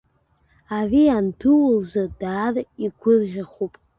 Ари анду лзы даара игәырӷьахәуп.